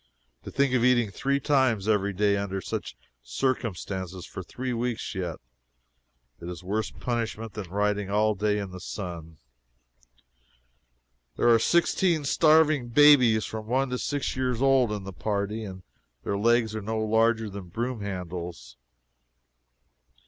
To think of eating three times every day under such circumstances for three weeks yet it is worse punishment than riding all day in the sun. There are sixteen starving babies from one to six years old in the party, and their legs are no larger than broom handles.